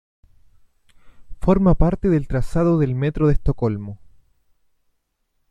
Forma parte del trazado del Metro de Estocolmo.